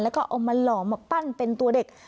แล้วก็เอามาหล่อมาปั้นเป็นตัวเด็ก